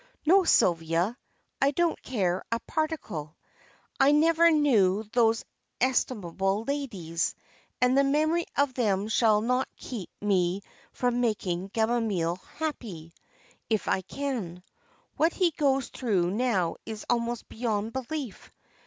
No, Sylvia, I don't care a particle. I never knew those estimable ladies, and the memory of them shall not keep me from making Gamaliel happy if I can. What he goes through now is almost beyond belief.